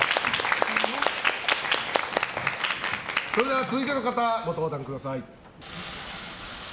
それでは続いての方ご登壇ください。